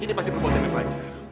ini pasti berbohonan fajar